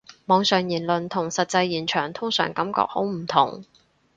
網上言論同實際現場通常感覺好唔同